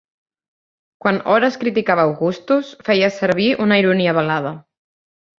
Quan Horace criticava Augustus, feia servir una ironia velada.